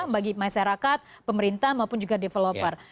bagi masyarakat pemerintah maupun juga developer